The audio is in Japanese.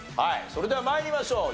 それでは参りましょう。